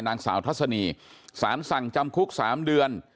นางสาวทัศนีสารสั่งจำคุก๓เดือน